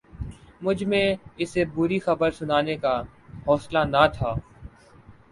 مجھ میں اسے بری خبر سنانے کا حوصلہ نہ تھا